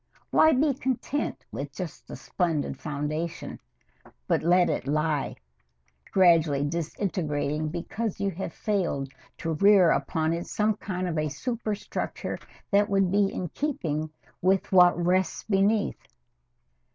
Why be content with just the splendid foundation, and let it lie, gradually disintegrating because you have failed to rear upon it some kind of a superstructure that would be in keeping with what rests beneath?